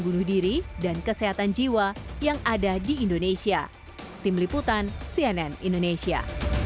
bunuh diri dan kesehatan jiwa yang ada di indonesia tim liputan cnn indonesia